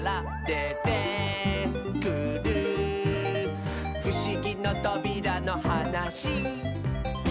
「でてくるふしぎのとびらのはなし」